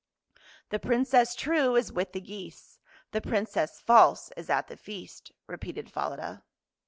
" The Princess true is with the geese. The Princess false is at the feast." repeated Falada.